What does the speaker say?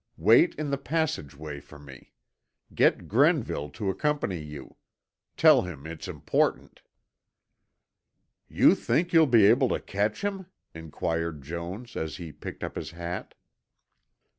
Wait in the passageway for me. Get Grenville to accompany you. Tell him it's important." "You think you'll be able to catch him?" inquired Jones, as he picked up his hat.